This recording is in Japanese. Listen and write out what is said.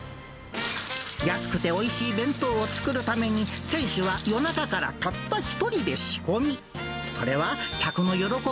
安くておいしい弁当を作るために、店主は夜中からたった一人で仕込み。